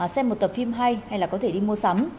xem một tập phim hay hay là có thể đi mua sắm